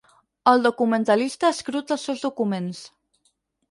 El documentalista escruta els seus documents.